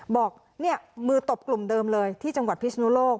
บอกเนี่ยมือตบกลุ่มเดิมเลยที่จังหวัดพิศนุโลก